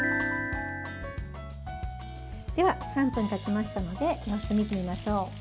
では３分たちましたので様子を見てみましょう。